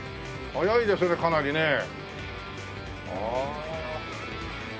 速いですねかなりね。ああ。